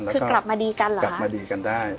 คือกลับมาดีกันเหรอกลับมาดีกันได้